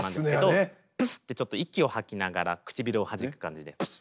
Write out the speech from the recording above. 「プスッ！」とちょっと息を吐きながら唇をはじく感じで。